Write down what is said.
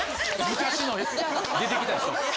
昔の出てきた人。